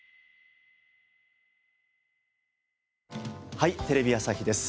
『はい！テレビ朝日です』